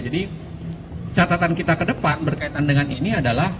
jadi catatan kita kedepan berkaitan dengan ini adalah